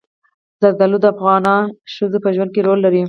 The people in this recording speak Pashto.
زردالو د افغان ښځو په ژوند کې رول لري.